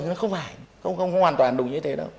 nó không phải hoàn toàn đúng như thế đâu